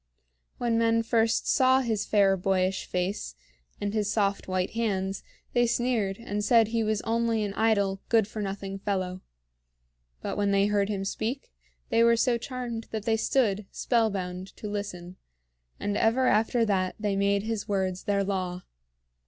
When men first saw his fair boyish face and his soft white hands, they sneered and said he was only an idle, good for nothing fellow. But when they heard him speak, they were so charmed that they stood, spellbound, to listen; and ever after that they made his words their law.